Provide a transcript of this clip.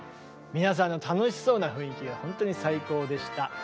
皆さんの楽しそうな雰囲気はほんとに最高でした。